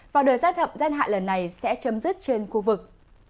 và đời giác thậm giác hại lần này sẽ chấm dứt trên khu vực